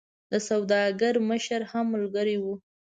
د سوداګرو مشر هم ملګری وو.